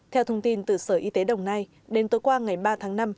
theo thông tin từ sở y tế đồng nai đến tối qua ngày ba tháng năm